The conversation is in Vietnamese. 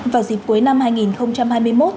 vào dịp cuối năm hai nghìn hai mươi hai